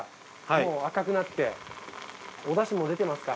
もう赤くなっておダシも出てますか。